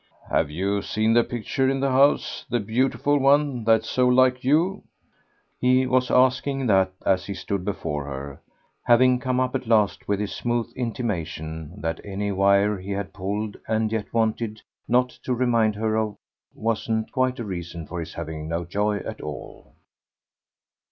"Have you seen the picture in the house, the beautiful one that's so like you?" he was asking that as he stood before her; having come up at last with his smooth intimation that any wire he had pulled and yet wanted not to remind her of wasn't quite a reason for his having no joy at all.